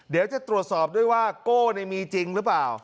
เดี๋ยวจะตรวจสอบด้วยว่าโก้มีจริงหรือเปล่า